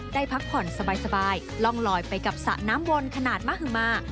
ได้พักผ่อนสบายล่องลอยไปกับสระน้ำวนขนาดมหมา